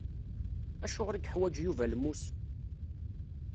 Acuɣer i yeḥwaǧ Yuba lmus?